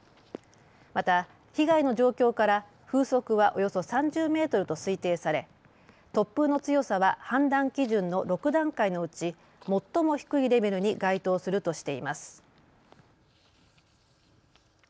また被害の状況から風速はおよそ３０メートルと推定され突風の強さは判断基準の６段階のうち最も低いレベルに該当するとしています。